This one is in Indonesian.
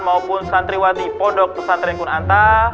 dan pesantren kunanta